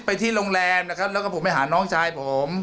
ไปที่โรงแรมนะครับแล้วก็ผมไปหาน้องชายผม